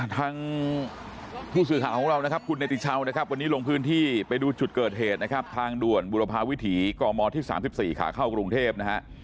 ทางผู้สื่อข่าวของเรานะครับคุณเนติชาวนะครับวันนี้ลงพื้นที่ไปดูจุดเกิดเหตุนะครับทางด่วนบุรพาวิถีกมที่๓๔ขาเข้ากรุงเทพนะฮะ